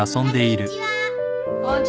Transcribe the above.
こんにちは。